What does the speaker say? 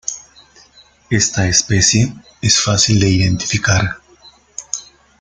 Esta especie es fácil de identificar.